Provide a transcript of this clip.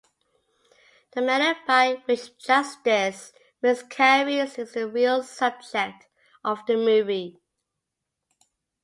The manner by which justice miscarries is the real subject of the movie.